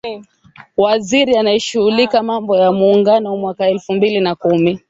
Waziri anayeshughulikia mambo ya Muungano mwaka elfu mbili na kumi